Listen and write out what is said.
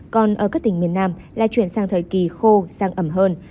còn ở các tỉnh miền nam là chuyển sang thời kỳ khô sang ẩm hơn